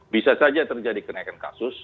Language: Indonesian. bisa saja terjadi kenaikan kasus